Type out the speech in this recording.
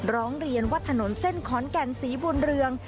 ร้องเรียนว่าถนนเส้นขอนแก่นศรีบุญเรือง